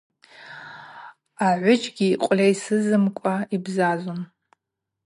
Агӏвыджьгьи йкъвльейсызымкӏва йбзазун.